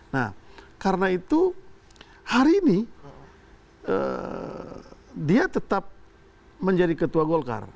nah karena itu hari ini dia tetap menjadi ketua golkar